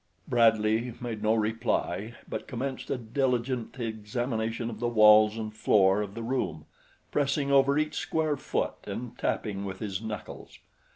Bradley made no reply but commenced a diligent examination of the walls and floor of the room, pressing over each square foot and tapping with his knuckles.